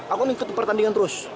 aku mengikuti pertandingan terus